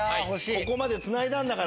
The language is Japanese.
ここまでつないだんだから。